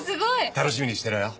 楽しみにしてろよ。